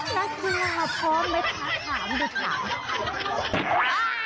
นักกีฬาพร้อมไหมคะถาม